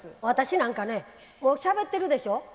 私なんかねもうしゃべってるでしょ